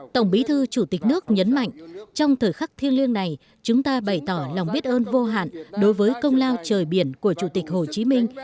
tổng bí thư chủ tịch nước nhấn mạnh trong thời khắc thiêng liêng này chúng ta bày tỏ lòng biết ơn vô hạn đối với công lao trời biển của chủ tịch hồ chí minh